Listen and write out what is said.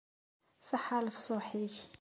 Ṣaḥḥa lefṣuḥ-ik.